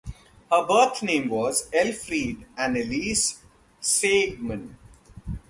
Her birth name was Elfriede Anneliese Siegmann.